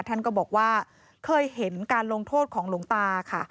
ท่านก็บอกว่าเคยเห็นการลงโทษของหลวงตาค่ะ